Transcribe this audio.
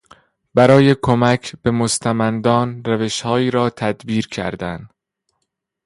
برای کمک به مستمندان روشهایی را تدبیر کردن